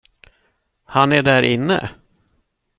Han är där inne.